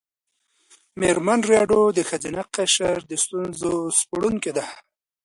مېرمن راډیو د ښځینه قشر د ستونزو سپړونکې ده.